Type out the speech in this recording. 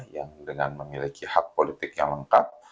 yang dengan memiliki hak politik yang lengkap